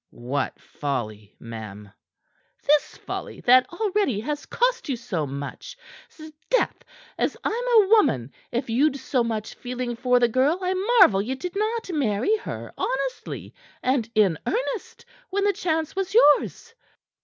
"What folly, ma'am?" "This folly that already has cost you so much. 'Sdeath! As I'm a woman, if you'd so much feeling for the girl, I marvel ye did not marry her honestly and in earnest when the chance was yours."